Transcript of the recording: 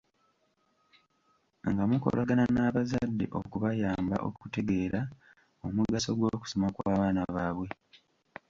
Nga mukolagana n'abazadde okubayamba okutegeera omugaso gw'okusoma kw'abaana baabwe.